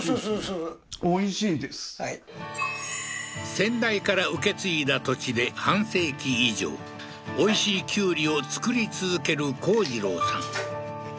先代から受け継いだ土地で半世紀以上おいしいきゅうりを作り続ける幸次郎さん